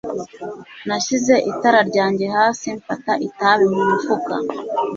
nashyize itara ryanjye hasi, mfata itabi mu mufuka